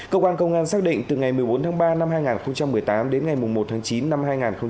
cơ quan công an xác định từ ngày một mươi bốn tháng ba năm hai nghìn một mươi tám đến ngày một tháng chín năm hai nghìn một mươi chín